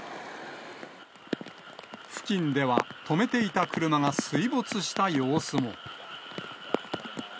付近では止めていた車が水没した様子も。